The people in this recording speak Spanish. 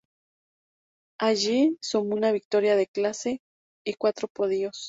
Allí sumó una victoria de clase y cuatro podios.